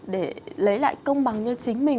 để lấy lại công bằng cho chính mình